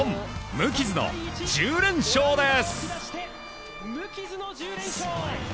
無傷の１０連勝です！